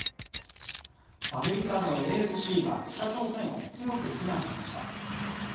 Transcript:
アメリカのＮＳＣが北朝鮮を強く非難しました。